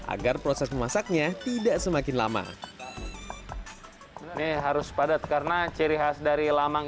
agar proses memasaknya tidak semakin lama harus padat karena ciri khas dari lamang